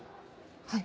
はい。